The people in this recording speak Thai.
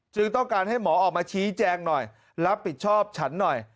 ต้องการให้หมอออกมาชี้แจงหน่อยรับผิดชอบฉันหน่อย